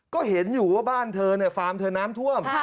ก็เห็นอยู่ว่าบ้านเธอฟาร์มเธอน้ำท่วม